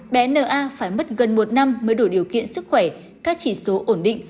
bé n a phải mất gần một năm mới đủ điều kiện sức khỏe các chỉ số ổn định